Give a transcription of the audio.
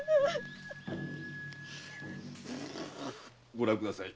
ご覧ください。